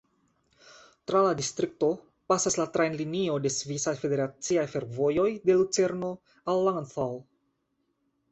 Tra la distrikto pasas la trajnlinio de Svisaj Federaciaj Fervojoj de Lucerno al Langenthal.